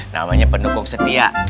namanya pendukung setia